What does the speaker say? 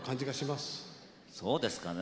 そうですかね？